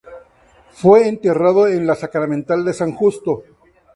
Fue enterrado en la sacramental de San Justo.